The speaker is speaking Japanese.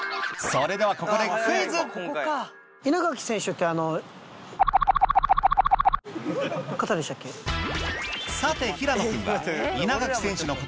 それではここでさて平野君は